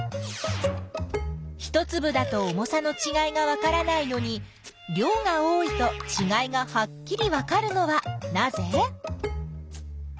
一つぶだと重さのちがいがわからないのに量が多いとちがいがはっきりわかるのはなぜ？